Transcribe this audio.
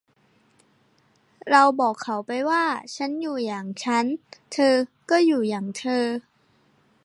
เราบอกเขาไปว่า ฉันก็อยู่อย่างฉัน เธอก็อยู่อย่างเธอ